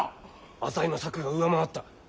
浅井の策が上回った。